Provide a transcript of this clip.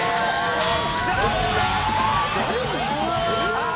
ああ！